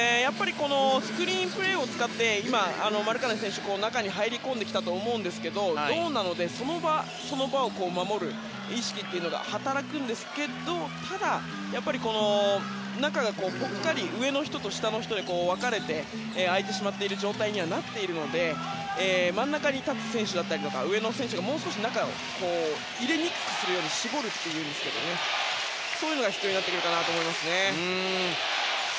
スクリーンプレーを使ってマルカネン選手が中に入り込んできたと思いますがゾーンなのでその場その場を守る意識が働くんですけどただ、中がぽっかり上の人と下の人で分かれて空いている状態なので真ん中の選手だったり上の選手がもう少し中に入れにくくするように絞るというんですがそういうのが必要になると思います。